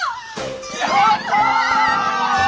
やった！